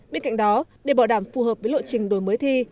bên cạnh đó để bảo đảm phù hợp với lộ trình đổi mới thi